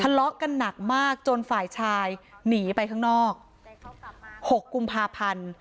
ทะเลาะกันหนักมากจนฝ่ายชายหนีไปข้างนอกแต่เขากลับมาหกกุมภาพันธ์